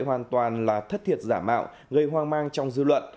hoàn toàn là thất thiệt giả mạo gây hoang mang trong dư luận